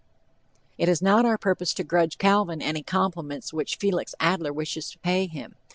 It is not our purpose to grudge Calvin any compliments which Felix Adler wishes to pay him.